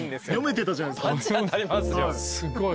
すごい。